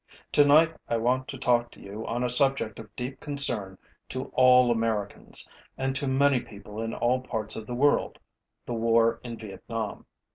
Tonight I want to talk to you on a subject of deep concern to all Americans and to many people in all parts of the world, the war in Vietnam.